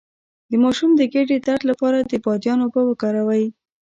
د ماشوم د ګیډې درد لپاره د بادیان اوبه وکاروئ